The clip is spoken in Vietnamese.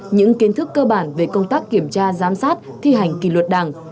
những kiến thức cơ bản về công tác kiểm tra giám sát thi hành kỷ luật đảng